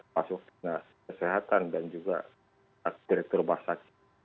masuk dinas kesehatan dan juga direktur rumah sakit